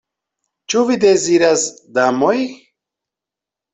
Ĉu vi deziras, damoj?